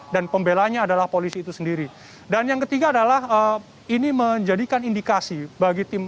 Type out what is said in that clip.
pembelanya adalah polisi itu sendiri dan yang ketiga adalah ini menjadikan indikasi bagi tim